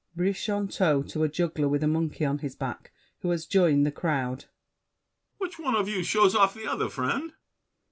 BRICHANTEAU (to a juggler with a monkey on his back, who has joined the crowd). Which one of you shows off the other, friend?